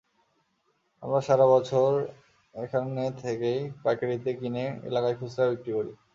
আমরা সারা বছর এখান থেকেই পাইকারিতে কিনে এলাকায় খুচরা বিক্রি করি।